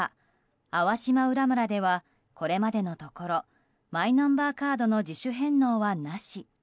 粟島浦村ではこれまでのところマイナンバーカードの自主返納はなし。